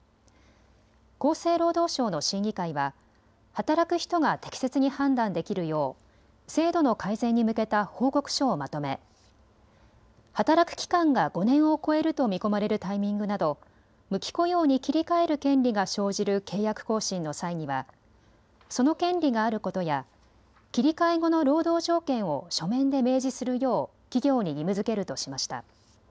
厚生労働省の審議会は働く人が適切に判断できるよう制度の改善に向けた報告書をまとめ働く期間が５年を超えると見込まれるタイミングなど無期雇用に切り替える権利が生じる契約更新の際にはその権利があることや切り替え後の労働条件を書面で明示するよう企業に義務づけるとしました。